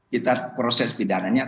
kita proses pidananya